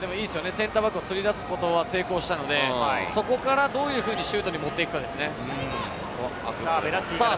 センターバックを釣り出すことには成功したので、そこからどういうふうにシュートに持っていくかですよね。